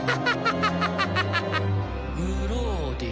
グローディ？